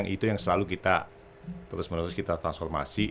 itu yang selalu kita terus menerus kita transformasi